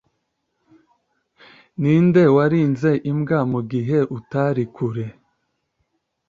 Ninde warinze imbwa mugihe utari kure?